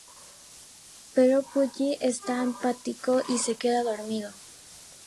Pero Pudgy está apático y se queda dormido.